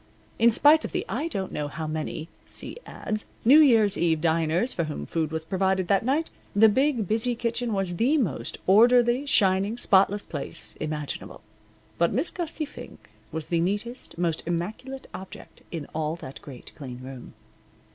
In spite of the I don't know how many (see ads) New Year's Eve diners for whom food was provided that night, the big, busy kitchen was the most orderly, shining, spotless place imaginable. But Miss Gussie Fink was the neatest, most immaculate object in all that great, clean room.